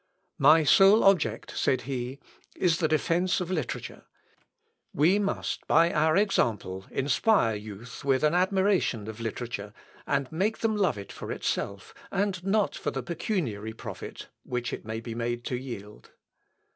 "My sole object," said he, "is the defence of literature; we must, by our example, inspire youth with an admiration of literature, and make them love it for itself, and not for the pecuniary profit which it may be made to yield.